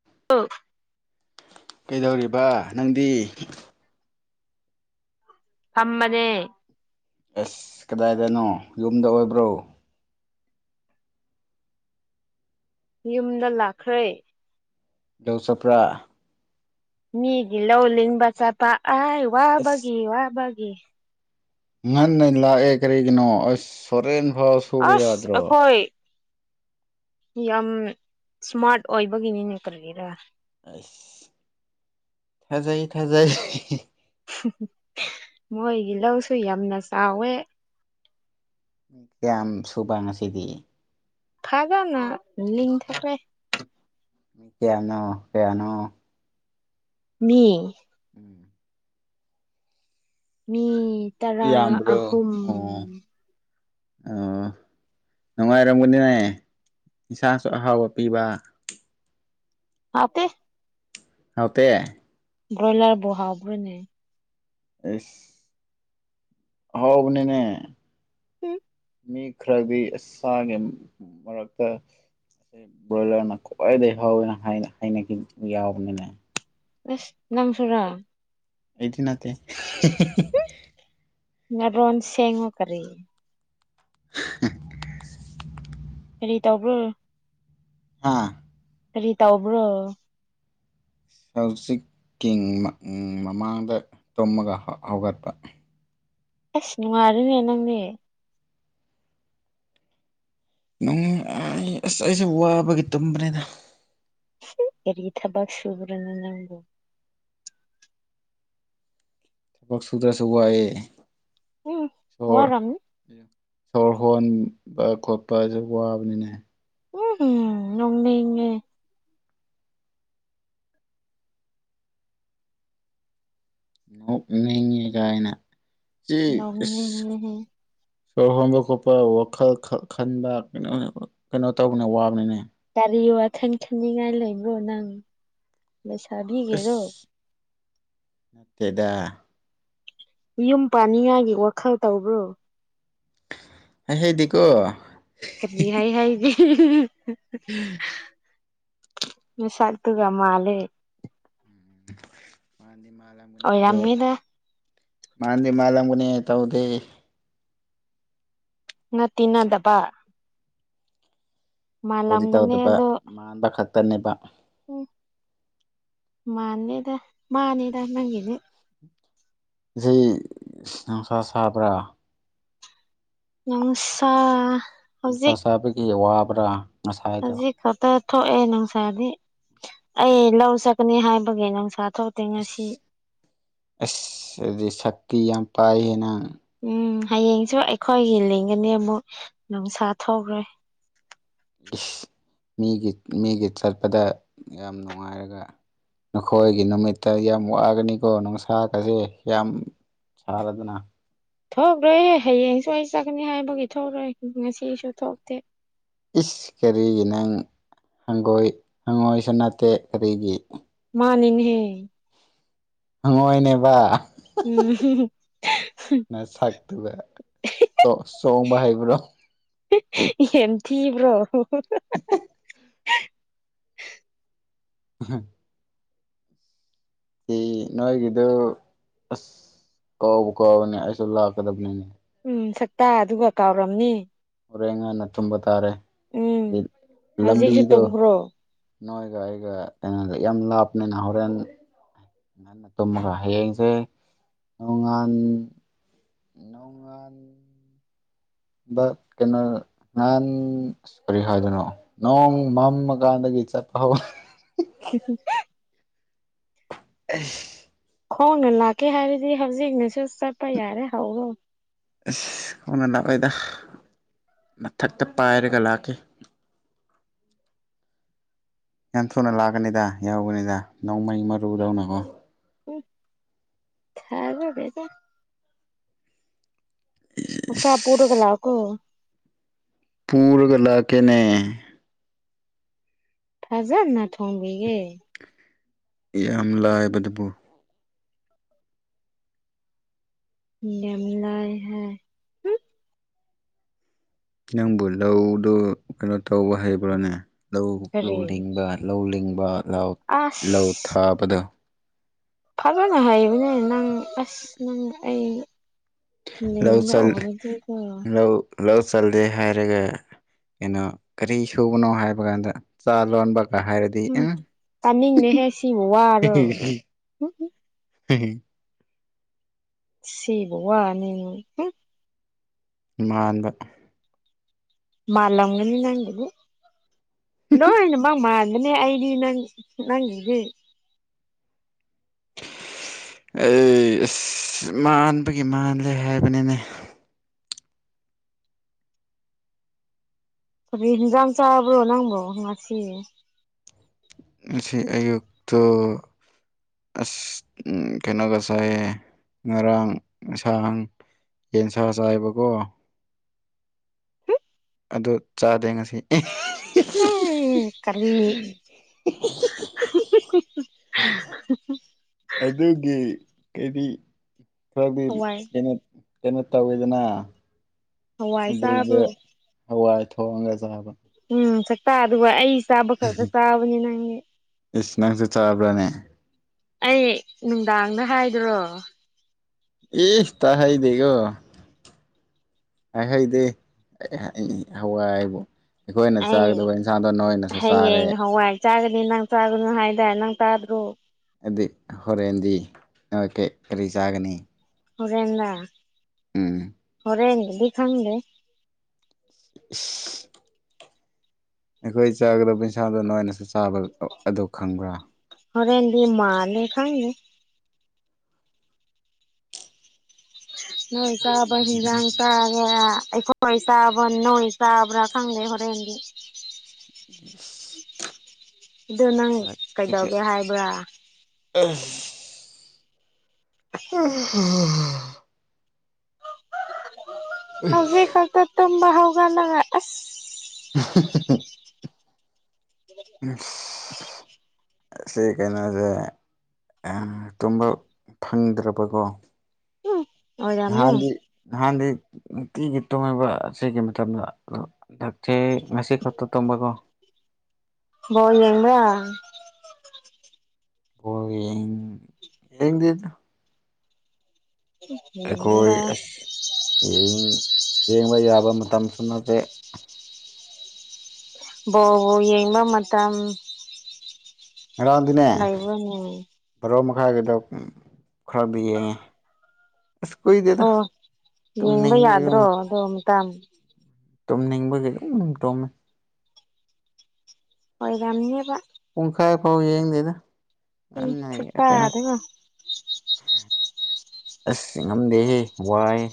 [unintelligible] ꯀꯩꯗꯧꯔꯤꯕ ꯅꯪꯗꯤ ꯐꯝꯕꯅꯦ ꯑꯁ ꯀꯗꯥꯏꯗꯅꯣ ꯌꯨꯝꯗ ꯑꯣꯏꯕ꯭ꯔꯣ ꯌꯨꯝꯗ ꯂꯥꯛꯈ꯭ꯔꯦ ꯀꯩꯗꯧ ꯆꯠꯄ꯭ꯔꯥ ꯃꯤꯒꯤ ꯂꯧ ꯂꯤꯡꯕ ꯆꯠꯄ ꯑꯥꯏ ꯑꯁ ꯋꯥꯕꯒꯤ ꯋꯥꯕꯒꯤ ꯉꯟꯅ ꯂꯥꯛꯑꯦ ꯀꯔꯤꯒꯤꯅꯣ ꯑꯁ ꯍꯣꯔꯦꯟ ꯐꯥꯎ ꯁꯨꯕ ꯑꯁ ꯌꯥꯗ꯭ꯔꯣ ꯑꯩꯈꯣꯏ ꯌꯥꯝ ꯏꯁꯃꯥꯔꯠ ꯑꯣꯏꯕꯒꯤꯅꯤꯅꯦ ꯀꯔꯤꯔꯥ ꯑꯁ ꯊꯥꯖꯩ ꯊꯥꯖꯩ ꯃꯣꯏꯒꯤ ꯂꯧꯁꯨ ꯌꯥꯝꯅ ꯆꯥꯎꯋꯦ ꯀꯌꯥꯝ ꯁꯨꯕ ꯉꯁꯤꯗꯤ ꯐꯖꯅ ꯂꯤꯡꯊꯣꯛꯈ꯭ꯔꯦ ꯀꯌꯥꯅꯣ ꯀꯌꯥꯅꯣ ꯃꯤ ꯎꯝ ꯃꯤ ꯇꯔꯥ ꯌꯥꯝꯕ꯭ꯔꯣ ꯑꯍꯨꯝ ꯑꯣ ꯑꯣ ꯅꯨꯡꯉꯥꯏꯔꯝꯒꯅꯤꯅꯦ ꯏꯁꯥꯁꯨ ꯑꯍꯥꯎꯕ ꯄꯤꯕ ꯍꯥꯎꯇꯦ ꯍꯥꯎꯇꯦ ꯒ꯭ꯔꯣꯏꯂꯔꯕꯨ ꯍꯥꯎꯕ꯭ꯔꯥꯅꯦ ꯑꯁ ꯑꯍꯥꯎꯕꯅꯤꯅꯦ [unintelligible] ꯃꯤ ꯈꯔꯗꯤ ꯑꯁ ꯁꯥꯒꯤ ꯃꯔꯛꯇ ꯕꯣꯏꯂꯔꯅ ꯈ꯭ꯋꯥꯏꯗꯒꯤ ꯍꯥꯎꯋꯦꯅ ꯍꯥꯏꯅ ꯍꯥꯏꯅꯈꯤ ꯌꯥꯎꯕꯅꯤꯅꯦ ꯑꯦꯁ ꯅꯪꯁꯨꯨꯔꯥ ꯑꯩꯗꯤ ꯅꯠꯇꯦ ꯅꯔꯣꯟ ꯁꯦꯡꯉꯣ ꯀꯔꯤ ꯀꯔꯤ ꯇꯧꯕ꯭ꯔꯣ ꯍꯥ ꯀꯔꯤ ꯇꯧꯕ꯭ꯔꯣ ꯍꯧꯖꯤꯛꯀꯤꯡ ꯃꯥꯛ ꯃꯃꯥꯡꯗ ꯇꯨꯝꯃꯒ ꯍꯧꯒꯠꯄ ꯑꯁ ꯅꯨꯡꯉꯥꯏꯔꯅꯦ ꯅꯪꯗꯤ ꯅꯨꯡ ꯑꯥꯏ ꯑꯁ ꯑꯩꯁꯦ ꯋꯥꯕꯒꯤ ꯇꯨꯝꯕꯅꯤꯗ ꯀꯔꯤ ꯊꯕꯛ ꯁꯨꯨꯕ꯭ꯔꯥꯅꯦ ꯅꯪꯕꯨ ꯊꯕꯛ ꯁꯨꯗ꯭ꯔꯁꯨ ꯋꯥꯏꯌꯦ ꯎꯝ ꯁꯣꯔ ꯋꯥꯔꯝꯅꯤ ꯁꯣꯔ ꯍꯣꯟꯕ ꯈꯣꯠꯄꯖꯨ ꯋꯥꯕꯅꯤꯅꯦ ꯋꯡ ꯅꯣꯛꯅꯤꯡ ꯅꯣꯛꯅꯤꯡꯉꯦ ꯒꯥꯏꯅ ꯑꯦ ꯏꯁ ꯅꯣꯛꯅꯤꯡꯉꯦꯍꯦ ꯁꯣꯔ ꯍꯣꯟꯕ ꯈꯣꯠꯄ ꯋꯥꯈꯜ ꯈꯠ ꯈꯟꯕ ꯀꯩꯅꯣ ꯀꯩꯅꯣ ꯇꯧꯕꯅꯦ ꯋꯥꯕꯅꯤꯅꯦ ꯀꯔꯤ ꯋꯥꯈꯟ ꯈꯟꯅꯤꯡꯉꯥꯏ ꯂꯩꯕꯔꯣ ꯅꯪ ꯂꯩꯩꯁꯥꯕꯤꯒꯤꯔꯣ ꯇꯦꯗ ꯌꯨꯝ ꯄꯥꯅꯤꯡꯉꯥꯏꯒꯤ ꯋꯥꯈꯜ ꯇꯧꯕ꯭ꯔꯣ ꯍꯥꯏꯍꯩꯗꯦꯀꯣ ꯀꯔꯤ ꯍꯥꯏ ꯍꯥꯏꯗꯤ [inaudible] ꯅꯁꯥꯛ ꯇꯨꯒ ꯃꯥꯜꯂꯦ ꯃꯥꯟꯗꯤ ꯃꯥꯜꯂꯝꯒꯅꯤ ꯑꯗꯣ ꯑꯣꯏꯔꯝꯅꯤꯗ ꯃꯥꯟꯗꯤ ꯃꯥꯜꯂꯝꯒꯅꯤ ꯇꯧꯗꯦ ꯅꯠꯇꯤ ꯅꯠꯇꯕ ꯇꯧꯗꯤ ꯃꯥꯜꯂꯝꯒꯅꯤ ꯇꯧꯗꯕ ꯑꯗꯣ ꯃꯥꯟꯕ ꯈꯛꯇꯅꯦꯕ ꯎꯝ ꯃꯥꯅꯦꯗ ꯃꯥꯅꯤꯗ ꯅꯪꯒꯤꯅꯦ ꯖꯤ ꯏꯁ ꯅꯣꯡꯁꯥ ꯁꯥꯕ꯭ꯔꯥ ꯅꯨꯡꯁꯥ ꯅꯨꯡꯁꯥ ꯍꯧꯖꯤꯛ ꯁꯥꯕꯀꯤ ꯋꯥꯕ꯭ꯔꯥ ꯉꯁꯥꯏꯗꯣ ꯍꯧꯖꯤꯛ ꯁꯣꯇ ꯊꯣꯛꯑꯦ ꯅꯨꯡꯁꯥꯗꯤ ꯑꯩ ꯂꯧ ꯆꯠꯀꯅꯤ ꯍꯥꯏꯕꯒꯤ ꯅꯨꯡꯁꯥ ꯊꯣꯛ ꯑꯁ ꯑꯁ ꯑꯗꯨꯗꯤ ꯁꯛꯇꯤ ꯌꯥꯝ ꯄꯥꯏꯍꯦ ꯅꯪ ꯎꯝ ꯍꯌꯦꯡꯁꯨ ꯑꯩꯈꯣꯏꯒꯤ ꯂꯤꯡꯒꯅꯤꯃꯨꯛ ꯅꯨꯡꯁꯥ ꯊꯣꯛꯒ꯭ꯔꯦ ꯏꯁ ꯃꯤꯒꯤ ꯃꯤꯒꯤ ꯆꯠꯄꯗ ꯌꯥꯝ ꯅꯨꯡꯉꯥꯏꯔꯒ ꯅꯈꯣꯏꯒꯤ ꯅꯨꯃꯤꯠꯇ ꯌꯥꯝ ꯋꯥꯒꯅꯤꯀꯣ ꯅꯨꯡꯁꯥꯒꯁꯦ ꯌꯥꯝ ꯁꯔꯥꯗꯅ ꯊꯣꯛꯔꯣꯏꯍꯦ ꯍꯌꯦꯡꯁꯨ ꯑꯩ ꯆꯠꯀꯅꯤ ꯍꯥꯏꯕꯒꯤ ꯊꯣꯛꯔꯣꯏ ꯉꯁꯤꯁꯨ ꯊꯣꯛꯇꯦ ꯏꯁ ꯀꯔꯤꯒꯤ ꯅꯪ ꯍꯪꯒꯣꯏ ꯍꯪꯉꯣꯏꯁꯨ ꯅꯠꯇꯦ ꯀꯔꯤꯒꯤ ꯃꯥꯅꯤꯅꯦ ꯍꯦ ꯍꯪꯉꯣꯏꯅꯦꯕ ꯎꯝ ꯅꯁꯛꯇꯨꯒ ꯆꯣ ꯆꯣꯡꯕ ꯍꯩꯕ꯭ꯔꯣ ꯌꯦꯝ ꯊꯤꯕ꯭ꯔꯣ [unintelligible] ꯁꯤ ꯅꯣꯏꯒꯤꯗꯣ ꯑꯁ ꯀꯥꯎꯕꯨ ꯀꯥꯎꯕꯅꯦ ꯑꯩꯁꯨ ꯂꯥꯛꯀꯗꯕꯅꯤꯅꯦ ꯎꯝ ꯁꯛꯇꯥꯗꯨꯒ ꯀꯥꯎꯔꯝꯅꯤ ꯍꯣꯔꯦꯟ ꯉꯥꯟꯅ ꯇꯨꯝꯕ ꯇꯥꯔꯦ ꯎꯝ ꯑꯗꯩ ꯍꯧꯖꯤꯛꯁꯨ ꯂꯝꯕꯤꯗꯣ ꯇꯨꯝꯈ꯭ꯔꯣ ꯅꯣꯏꯒ ꯑꯩꯒ ꯀꯩꯅꯣꯗ ꯌꯥꯝ ꯂꯥꯞꯅꯥꯅ ꯍꯣꯔꯦꯟ ꯉꯟꯅ ꯇꯨꯝꯃꯒ ꯍꯌꯦꯡꯖꯦ ꯅꯣꯡꯉꯥꯟ ꯅꯣꯡꯉꯥꯟ ꯕ ꯀꯩꯅꯣ ꯅꯍꯥꯟ ꯑꯁ ꯀꯔꯤ ꯍꯥꯏꯗꯣꯏꯅꯣ ꯅꯣꯡ ꯃꯝꯃꯀꯥꯟꯗꯒꯤ ꯆꯠꯄ ꯍꯧ [unintelligible] ꯑꯦꯁ ꯈꯣꯡꯅ ꯂꯥꯛꯀꯦ ꯍꯥꯏꯔꯗꯤ ꯍꯧꯖꯤꯛꯅꯁꯨ ꯆꯠꯄ ꯌꯥꯔꯦ ꯍꯧꯔꯣ ꯑꯁ ꯈꯣꯡꯅ ꯂꯥꯛꯑꯣꯏꯗ ꯃꯊꯛꯇ ꯄꯥꯏꯔꯒ ꯂꯥꯛꯀꯦ ꯌꯥꯝ ꯊꯨꯅ ꯂꯥꯛꯀꯅꯤꯗ ꯌꯥꯎꯒꯅꯤꯗ ꯅꯣꯡꯃꯩ ꯃꯔꯨꯗꯧꯅꯀꯣ [unintelligible] ꯑꯣꯛꯁꯥ ꯄꯨꯔꯒ ꯏꯁ ꯂꯥꯛꯑꯣꯀꯣ ꯄꯨꯔꯒ ꯂꯥꯛꯀꯦꯅꯦ ꯐꯖꯅ ꯊꯣꯡꯕꯤꯒꯦ ꯌꯥꯝ ꯂꯥꯏꯕꯗꯨꯕꯨ ꯌꯥꯝ ꯂꯥꯏ ꯍꯣꯏ ꯅꯪꯕꯨ ꯂꯧꯗꯨ ꯀꯩꯅꯣ ꯇꯧꯕ ꯍꯩꯕ꯭ꯔꯣꯅꯦ ꯂꯧ ꯂꯧ ꯀꯔꯤ ꯂꯤꯡꯕ ꯂꯧ ꯂꯤꯡꯕ ꯂꯧ ꯂꯧ ꯑꯁ ꯊꯥꯕꯗꯣ ꯐꯖꯅ ꯍꯩꯕꯅꯦ ꯅꯪ ꯑꯁ ꯅꯪ ꯑꯩ ꯂꯧ ꯂꯦꯡꯒ ꯆꯜ ꯑꯣꯏꯔꯗꯤꯀꯣ ꯂꯧ ꯂꯧ ꯆꯜꯂꯦ ꯍꯥꯏꯔꯒ ꯀꯩꯅꯣ ꯀꯔꯤ ꯁꯨꯕꯅꯣ ꯍꯥꯏꯕ ꯀꯥꯟꯗ ꯆꯥ ꯂꯣꯟꯕꯒ ꯍꯥꯏꯔꯗꯤ ꯎꯝ ꯇꯥꯅꯤꯡꯗꯦꯍꯦ ꯁꯤꯕꯨ ꯋꯥꯕ꯭ꯔꯣ [unintelligible] ꯁꯤꯕꯨ ꯋꯥꯅꯦꯅ [unintelligible] ꯃꯥꯟꯕ ꯃꯥꯟꯂꯝꯒꯅꯤ ꯅꯪꯕꯨꯗꯤ ꯂꯧ [unintelligible] [unintelligible] ꯑꯩꯗꯤ ꯅꯪ ꯅꯪꯒꯤꯗꯤ ꯑꯩ ꯑꯁ ꯃꯥꯟꯕꯒꯤ ꯃꯥꯜꯂꯦ ꯍꯥꯏꯕꯅꯤꯅꯦ ꯀ ꯍꯤꯟꯖꯥꯡ ꯆꯥꯥꯕ꯭ꯔꯣ ꯅꯪꯕꯣ ꯉꯁꯤ ꯉꯁꯤ ꯑꯌꯨꯛꯇꯣ ꯑꯁ ꯀꯩꯅꯣꯒ ꯆꯥꯏꯌꯦ ꯉꯔꯥꯡ ꯉꯁꯥꯡ ꯌꯦꯟꯁꯥ ꯆꯥꯏꯌꯦꯕ ꯀꯣ ꯑꯗꯨ ꯆꯥꯗꯦ ꯉꯁꯤ ꯑꯩ ꯀꯔꯤ [unintelligible] ꯑꯗꯨꯒꯤ ꯀꯔꯤ ꯈꯔꯗꯤ ꯍꯋꯥꯏ ꯀꯩꯅꯣ ꯀꯩꯅꯣ ꯇꯧꯋꯦꯗꯅ ꯍꯋꯥꯏ ꯑꯗꯨꯒ ꯆꯥꯕ꯭ꯔꯣ ꯍꯋꯥꯏ ꯊꯣꯡꯉꯒ ꯆꯥꯕ ꯎꯝ ꯁꯛꯇꯥ ꯗꯨꯒ ꯑꯩ ꯆꯥꯕ ꯈꯛꯇ ꯆꯥꯕꯅꯤ ꯅꯪꯗꯤ ꯏꯁ ꯅꯪꯁꯨ ꯆꯥꯕ꯭ꯔꯥꯅꯦ ꯑꯩ ꯅꯨꯡꯗꯥꯡꯗ ꯍꯥꯏꯗ꯭ꯔꯣ ꯏ ꯇꯥꯍꯥꯏꯗꯦꯀꯣ ꯍꯥꯏꯍꯩꯗꯦ ꯑꯩ ꯍꯋꯥꯏꯕꯨ ꯑꯩꯈꯣꯏꯅ ꯑꯩ ꯆꯥꯒꯗꯧꯕ ꯏꯟꯁꯥꯡꯗꯣ ꯅꯣꯏꯅꯁꯨ ꯆꯥꯔꯦ ꯍꯌꯦꯡ ꯍꯋꯥꯏ ꯆꯥꯒꯅꯤ ꯅꯪ ꯆꯥꯒꯅꯨ ꯍꯥꯏꯇꯥꯏ ꯅꯪ ꯆꯥꯗ꯭ꯔꯣ ꯑꯗꯨꯗꯤ ꯍꯣꯔꯦꯟꯗꯤ ꯀꯩ ꯀꯔꯤ ꯆꯥꯒꯅꯤ ꯍꯣꯔꯦꯟꯂꯥ ꯎꯝ ꯍꯣꯔꯦꯟꯒꯗꯤ ꯈꯪꯗꯦꯍꯦ ꯏꯁ ꯑꯩꯈꯣꯏ ꯆꯥꯒꯗꯕ ꯄꯩꯁꯥꯗꯣ ꯅꯣꯏꯅꯁꯨ ꯆꯥꯕ ꯑꯗꯨ ꯈꯪꯕ꯭ꯔꯥ ꯍꯔꯦꯟꯗꯤ ꯃꯥꯜꯂꯦ ꯈꯪꯗꯦꯍꯦ ꯅꯣꯏ ꯆꯥꯕ ꯍꯤꯟꯖꯥꯡ ꯆꯥꯒꯦꯔ ꯑꯩꯈꯣꯏ ꯑꯈꯣꯏ ꯆꯥꯕ ꯅꯣꯏ ꯆꯥꯕ꯭ꯔꯥ ꯈꯪꯗꯦ ꯍꯣꯔꯦꯟꯗꯤ [unintelligible] ꯏꯁ ꯑꯗꯨ ꯅꯪ ꯀꯩꯗꯧꯒꯦ ꯍꯥꯏꯕ꯭ꯔꯥ ꯑꯦ [unintelligible] ꯍꯧꯖꯤꯛꯈꯛꯇ ꯇꯨꯝꯕ ꯍꯧꯒꯠꯂꯒ ꯑꯁ [unintelligible] ꯑꯁꯤ ꯀꯩꯅꯣꯖꯦ ꯎꯝ ꯇꯨꯝꯕ ꯐꯪꯗ꯭ꯔꯕꯀꯣ ꯎꯝ ꯑꯣꯏꯔꯝꯅꯤ ꯅꯍꯥꯟꯗꯤ ꯅꯍꯥꯟꯗꯤ ꯅꯨꯡꯇꯤꯒꯤ ꯇꯨꯝꯃꯦꯕ ꯁꯤꯒꯤ ꯃꯇꯝꯗ ꯗꯣ ꯍꯟꯗꯛꯇꯤ ꯉꯁꯤꯈꯛꯇ ꯇꯨꯝꯕꯀꯣ ꯕꯣꯜ ꯌꯦꯕ꯭ꯔ ꯌꯥꯔꯅꯤ ꯕꯣꯜ ꯌꯦꯡ ꯌꯦꯡꯗꯦꯗ ꯑꯩꯈꯣꯏ ꯌꯦꯡꯗꯦꯗ ꯑꯁ ꯌꯦꯡ ꯌꯦꯡꯕ ꯌꯥꯕ ꯃꯇꯝꯁꯨ ꯅꯠꯇꯦ ꯕꯣꯜꯕꯨ ꯌꯦꯡꯕ ꯃꯇꯝ ꯉꯔꯥꯡꯗꯤꯅꯦ ꯂꯩꯕ꯭ꯔꯅꯦ ꯚꯔꯣ ꯃꯈꯥꯏꯒꯤꯗꯣ ꯈꯔꯕꯨ ꯌꯦꯡꯉꯦ ꯑꯁ ꯀꯨꯏꯗꯦꯗ ꯇꯨꯝꯅꯤꯡꯕꯒꯤ ꯑꯃꯨꯛ ꯕꯣꯜ ꯃꯇꯝ ꯇꯨꯝꯅꯤꯡꯕꯒꯤ ꯑꯗꯨꯝ ꯇꯨꯝꯃꯦ ꯑꯣꯏꯔꯝꯅꯦꯕ ꯄꯨꯡꯈꯥꯏ ꯐꯥꯎ ꯌꯦꯡꯗꯦꯗ ꯎꯝ ꯈꯨꯇꯥꯗꯤꯉꯣ [unintelligible] ꯑꯁ ꯉꯝꯗꯦꯍꯦ ꯋꯥꯏꯌꯦ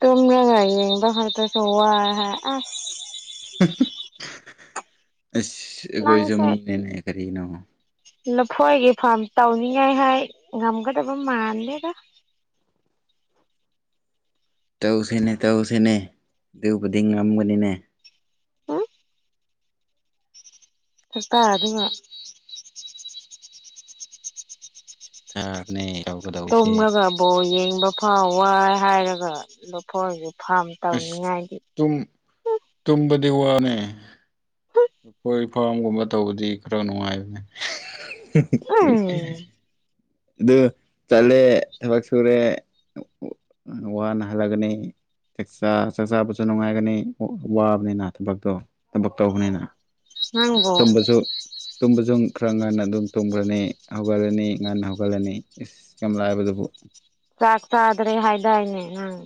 ꯇꯨꯝꯂꯒ ꯌꯦꯡꯕꯈꯛꯇꯖꯨ ꯋꯥꯏ ꯍꯥꯏ ꯑꯁ ꯑꯁ ꯑꯩꯈꯣꯏꯁꯨ ꯅꯪꯁꯦ ꯃꯤꯅꯤꯅꯦ ꯀꯔꯤꯅꯣ ꯂꯐꯣꯏꯒꯤ ꯐꯥꯔꯝ ꯇꯧꯅꯤꯡꯉꯥꯏ ꯍꯥꯏ ꯉꯝꯒꯗꯕ ꯃꯥꯟꯗ‌ꯦꯗ ꯇꯧꯁꯤꯅꯦ ꯇꯧꯁꯤꯅꯦ ꯑꯗꯨꯕꯨꯗꯤ ꯉꯝꯒꯅꯤꯅꯦ ꯎꯝ ꯁꯛꯇꯥꯗꯨꯒ ꯊꯥꯕꯅꯦ ꯇꯨꯝꯔꯒ ꯕꯣꯟ ꯌꯦꯡꯕ ꯐꯥꯎ ꯋꯥꯏ ꯍꯥꯏꯔꯒ ꯂꯐ‌ꯣꯏꯒꯤ ꯐꯥꯔꯝ ꯑꯁ ꯇꯧꯅꯤꯉꯥꯏꯗꯤ ꯇꯨꯝ ꯇꯨꯝꯕꯗꯤ ꯋꯥꯅꯦ ꯂꯐ‌ꯣꯏ ꯐꯥꯝꯒꯨꯝꯕ ꯇꯧꯕꯗꯤ ꯈꯔ ꯅꯨꯡꯉꯥꯏꯕꯅꯦ ꯎꯝ ꯑꯗꯨ ꯆꯠꯂꯦ ꯊꯕꯛ ꯁꯨꯔꯦ ꯋꯥꯅ ꯍꯜꯂꯛꯒꯅꯤ ꯆꯥꯛ ꯆꯥ ꯆꯥꯛ ꯆꯥꯕꯁꯨ ꯅꯨꯡꯉꯥꯏꯒꯅꯤ ꯋꯥꯕꯅꯤꯅ ꯊꯕꯛꯇꯣ ꯊꯕꯛ ꯇꯧꯕꯅꯤꯅ ꯅꯪꯕꯨ ꯇꯨꯝꯕꯁꯨ ꯇꯨꯝꯕꯁꯨ ꯈꯔ ꯉꯟꯅ ꯑꯗꯨꯝ ꯇꯨꯝꯒ꯭ꯔꯅꯤ ꯍꯧꯒꯠꯂꯅꯤ ꯉꯟꯅ ꯍꯧ ꯍꯧꯒꯠꯂꯅꯤ ꯏꯁ ꯌꯥꯝ ꯂꯥꯏꯕꯗꯨꯕꯨ ꯆꯥꯛ ꯆꯥꯗ꯭ꯔꯦ ꯍꯥꯏꯗꯥꯏꯅ‌ꯦ ꯅꯪ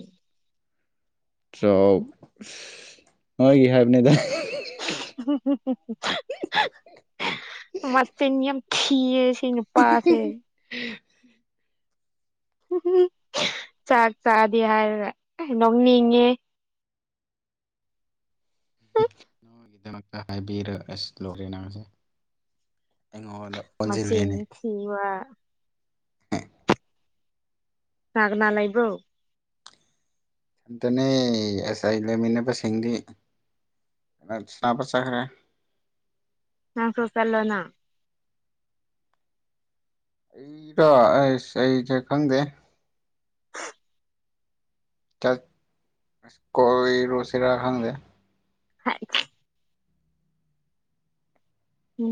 ꯆꯥꯛ ꯅꯣꯏꯒꯤ ꯍꯥꯏꯕꯅꯦꯗ ꯃꯆꯤꯟ ꯌꯥꯝ ꯊꯤꯌ‌ꯦ ꯁꯤ ꯅꯨꯄꯥꯁ‌ꯦ ꯆꯥꯛ ꯆꯥꯗ‌ꯦ ꯍꯥꯏꯔꯒꯦ ꯅꯣꯛꯅꯤꯡꯉꯦ ꯎꯝ ꯅ‌ꯣꯏꯒꯤꯗꯃꯛꯇ ꯍꯥꯏꯕꯤꯔ ꯑꯁ ꯂ‌ꯣꯏꯔ‌ꯦ ꯅꯪꯁꯦ ꯑꯩꯉꯣꯟꯗ ꯃꯆꯤꯟ ꯑꯣꯟꯁꯤꯜꯂꯦꯅꯦ ꯊꯤꯕ ꯀꯅꯥ ꯀꯅꯥ ꯂꯩꯕ꯭ꯔ‌ꯣ ꯑꯩꯇꯅꯦ ꯑꯁ ꯑꯩ ꯂꯩꯃꯤꯟꯅꯕꯁꯤꯡꯗꯤ ꯁꯥꯅꯕ ꯆꯠꯈ꯭ꯔꯦ ꯅꯪꯁꯨ ꯆꯠꯂ‌ꯣꯅ ꯑꯩꯔ‌ꯣ ꯑꯁ ꯑꯩꯁꯦ ꯈꯪꯗꯦ ꯆꯥꯛ ꯑꯁ ꯀꯣꯏꯔꯨꯁꯤꯔꯥ ꯈꯪꯗꯦ ꯍꯥꯏ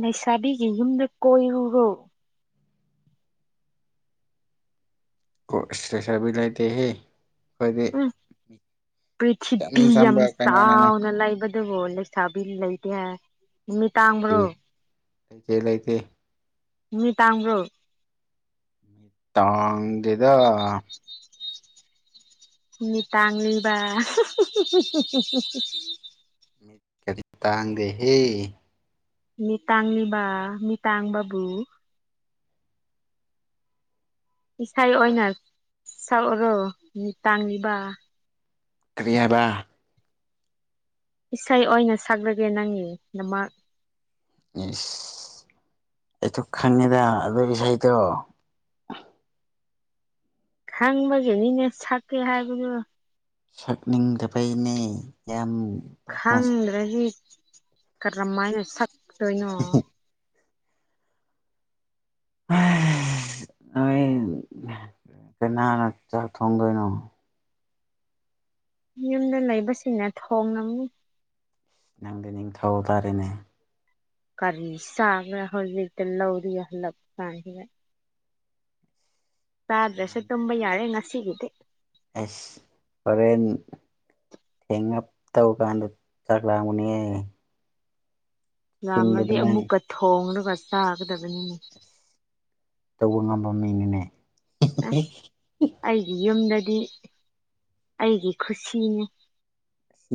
ꯂꯩꯁꯥꯕꯤꯒꯤ ꯌꯨꯝꯗ ꯀꯣꯏꯔꯨꯔꯣ ꯀ‌ꯣꯏ ꯂꯩꯁꯥꯕꯤ ꯂꯩꯇ‌ꯦꯍ‌ꯦ ꯎꯝ ꯏꯆꯝ ꯄ꯭ꯔꯤꯊꯤꯕꯤ ꯌꯥꯝ ꯆꯝꯕ ꯀꯩꯅꯣꯅꯤꯅꯦ ꯆꯥꯎꯅ ꯂꯩꯥꯕ ꯑꯗꯨꯕꯨ ꯂꯩꯁꯥꯕꯤ ꯂꯩꯇꯦ ꯍꯥꯏ ꯅꯃꯤꯠ ꯂꯩꯇꯦ ꯇꯥꯡꯕ꯭ꯔꯣ ꯂꯩꯇꯦ ꯂꯩꯇꯦ ꯃꯤꯠ ꯇꯥꯡꯕ꯭ꯔ‌ꯣ ꯇꯥꯡꯗ‌ꯦꯗ ꯅꯃꯨꯠ ꯇꯥꯡꯂꯤꯕ ꯍꯨꯝ ꯍꯨꯝ ꯍꯨꯝ ꯃꯤꯠ ꯇꯥꯡꯗꯦꯍꯦ ꯃꯤ ꯇꯥꯡꯂꯤꯕ ꯃꯤꯠꯇꯥꯡꯕꯕꯨ ꯏꯁꯩ ꯑꯣꯏꯅ ꯁꯛꯎꯔꯣ ꯃꯤꯠ ꯇꯥꯡꯕ ꯀꯔꯤ ꯍꯥꯏꯕꯥ ꯏꯁꯩ ꯑꯣꯏꯅ ꯁꯛꯂꯒꯦ ꯅꯪꯒꯤꯗꯃꯛ ꯏꯁ ꯑꯩꯁꯨ ꯈꯪꯉꯦꯗ ꯑꯗꯨ ꯏꯁꯩꯗꯣ ꯈꯪꯕꯒꯤꯅꯤꯅꯦ ꯁꯛꯀꯦ ꯍꯥꯏꯕꯗꯨ ꯁꯛꯅꯤꯡꯗꯕꯩꯅꯦ ꯌꯥꯝ ꯐꯖꯅ ꯍꯩꯁ ꯈꯪꯗ꯭ꯔꯗꯤ ꯀꯔꯝꯃꯥꯏꯅ ꯁꯛꯇꯣꯏꯅꯣ ꯅꯣꯏ ꯀꯅꯥꯅ ꯆꯥꯛ ꯊꯣꯡꯗꯣꯏꯅꯣ ꯌꯨꯝꯗ ꯂꯩꯕꯁꯤꯡꯅ ꯊꯣꯡꯂꯝꯅꯤ ꯅꯪꯗꯤ ꯅꯤꯡꯊꯧ ꯇꯥꯔꯦꯅꯦ ꯀꯔꯤ ꯁꯥꯕ꯭ꯔ ꯍꯧꯖꯤꯛꯇ ꯂꯧꯔꯤ ꯍꯜꯂꯛ ꯀꯥꯟꯁꯤꯗ ꯆꯥꯗ꯭ꯔꯁꯨ ꯇꯨꯝꯕ ꯌꯥꯔꯦ ꯉꯁꯤꯒꯤꯗꯤ ꯑꯁ ꯍ‌ꯣꯔꯦꯟ ꯊ‌ꯦꯡꯂꯞ ꯇꯧ ꯀꯥꯟꯗ ꯆꯥꯛ ꯂꯝꯒꯅꯤꯌ‌ꯦ ꯌꯥꯝꯃꯗꯤ ꯑꯗꯨꯃꯥꯏꯅ ꯑꯃꯨꯛꯀ ꯊꯣꯡꯂꯒ ꯆꯥꯒꯗꯕꯅꯤꯅꯦ ꯇꯧꯕ ꯉꯝꯕ ꯃꯤꯅꯤꯅꯦ ꯑꯁ ꯑꯩꯒꯤ ꯌꯨꯝꯗꯗꯤ ꯑꯩꯒꯤ ꯈꯨꯁꯤꯅꯤ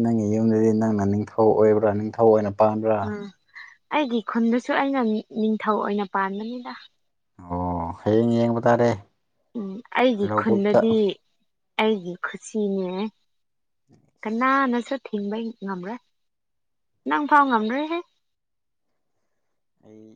ꯅꯪꯒꯤ ꯌꯨꯝꯗꯗꯤ ꯅꯪꯅ ꯅꯤꯡꯊꯧ ꯑꯣꯏꯕ꯭ꯔꯥ ꯅꯤꯡꯊꯧ ꯑꯣꯏꯅ ꯄꯥꯟꯕ꯭ꯔꯥ ꯎꯝ ꯑꯩꯒꯤ ꯈꯨꯟꯗꯨꯁꯨ ꯑꯩꯅ ꯅꯤꯡꯊꯧ ꯑꯣꯏꯅ ꯄꯥꯟꯕꯅꯤꯗ ꯑꯣ ꯍꯌꯦꯡ ꯌꯦꯡꯕ ꯇꯥꯔꯦ ꯎꯝ ꯑꯩꯒꯤ ꯂꯧꯕꯨꯛꯇ ꯈꯨꯟꯗꯗꯤ ꯑꯩꯒꯤ ꯈꯨꯁꯤꯅꯦ ꯀꯅꯥꯅꯁꯨ ꯊꯤꯡꯕ ꯉꯝꯔ꯭ꯔꯣꯏ ꯅꯪ ꯐꯥꯎ ꯉꯝꯔꯣꯏꯍꯦ ꯎꯝ